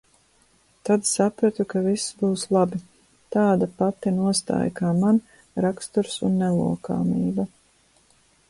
Tad sapratu, ka viss būs labi. Tāda pati nostāja kā man, raksturs un nelokāmība.